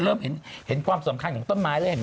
เริ่มเห็นความสำคัญของต้นไม้แล้วเห็นไหม